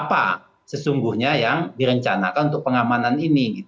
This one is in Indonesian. apa sesungguhnya yang direncanakan untuk pengamanan ini